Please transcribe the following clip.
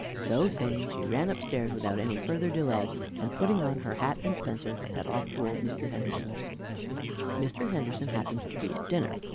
So saying, she ran upstairs, without any further delay, and putting on her hat and spencer, set off to old Mr. Henderson's. Mr. Henderson happened to be at dinner.